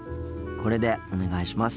これでお願いします。